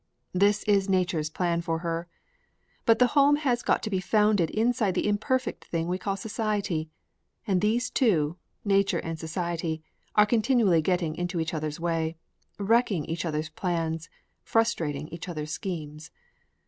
This is nature's plan for her; but the home has got to be founded inside the imperfect thing we call society. And these two, nature and society, are continually getting into each other's way, wrecking each other's plans, frustrating each other's schemes.